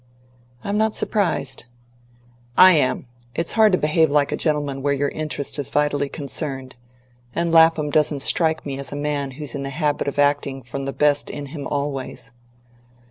"I'm not surprised." "I am. It's hard to behave like a gentleman where your interest is vitally concerned. And Lapham doesn't strike me as a man who's in the habit of acting from the best in him always."